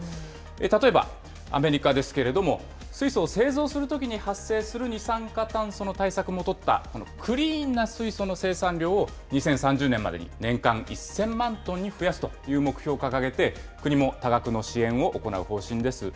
例えばアメリカですけれども、水素を製造するときに発生する二酸化炭素の対策も取った、クリーンな水素の生産量を、２０３０年までに年間１０００万トンに増やすという目標を掲げて、国も多額の支援を行う方針です。